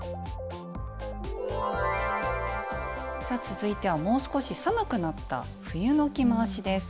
続いてはもう少し寒くなった冬の着回しです。